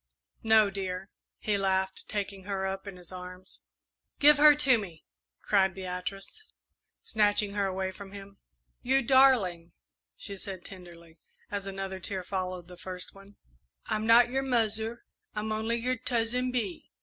"No, dear," he laughed, taking her up in his arms. "Give her to me!" cried Beatrice, snatching her away from him. "You darling," she said tenderly, as another tear followed the first one; "I'm not your 'muzzer,' I'm only your 'Tuzzin Bee.'"